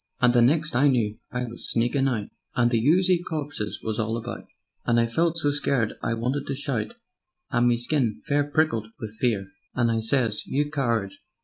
"And the next I knew I was sneakin' out, And the oozy corpses was all about, And I felt so scared I wanted to shout, And me skin fair prickled wiv fear; And I sez: 'You coward!